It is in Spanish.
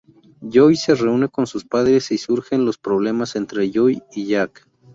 Joy se reúne con sus padres y surgen los problemas entre Joy y Jack.